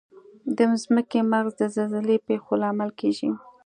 د ځمکې مغز د زلزلې پېښو لامل کیږي.